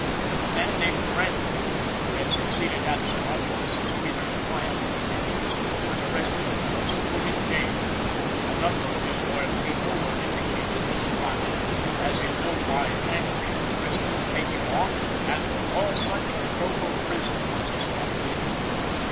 A man named Crangle who had succeeded Atzerott in Mrs. Wheeler's pliable affections, was arrested at once and put in jail. A number of disloyal people were indicated or "spotted" as in no wise angry at the President's taking off, and for all such a provost prison was established. [Illustration: Maryland.